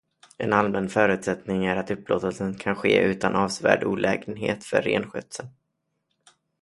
En allmän förutsättning är att upplåtelsen kan ske utan avsevärd olägenhet för renskötseln.